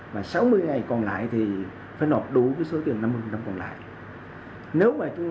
và sáu mươi ngày còn lại thì phải nộp đủ số tiền năm mươi còn lại